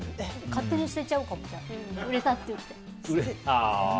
勝手に捨てちゃうかも売れたと言って。